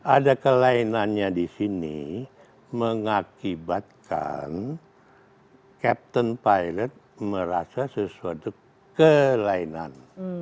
ada kelainannya di sini mengakibatkan captain pilot merasa sesuatu kelainan